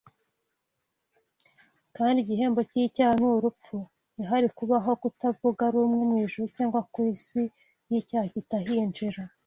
kandi igihembo cy’icyaha ni urupfu Ntihari kubaho kutavuga rumwe mu ijuru cyangwa ku isi iyo icyaha kitahinjira